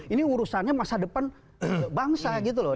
ini urusannya masa depan bangsa gitu loh